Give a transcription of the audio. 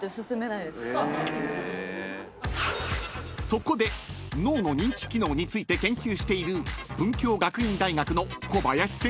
［そこで脳の認知機能について研究している文京学院大学の小林先生に聞きました］